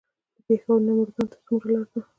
د پېښور نه مردان ته څومره لار ده؟